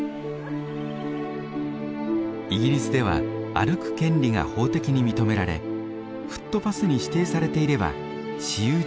イギリスでは歩く権利が法的に認められフットパスに指定されていれば私有地でも自由に通ることができます。